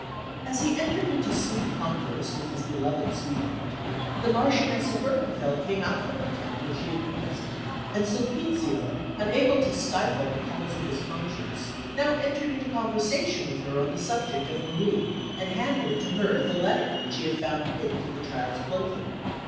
As he entered into sweet converse with his beloved sweetheart, the Marchioness of Berkenfeld came out from the tent where she had been resting; and Sulpizio, unable to stifle the calls of his conscience, now entered into conversation with her on the subject of Marie, and handed to her the letter which he had found pinned to the child's clothing.